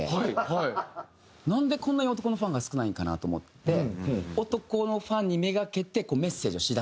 なんでこんなに男のファンが少ないんかなと思って男のファンに目がけてメッセージをし出したんですね。